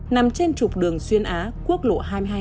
nằm trên trục đường xuyên á quốc lộ hai mươi hai